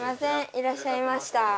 いらっしゃいました。